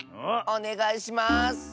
おねがいします！